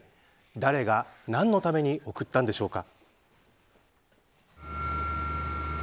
誰が何のために送ったのでしょうか。